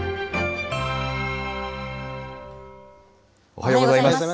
おはようございます。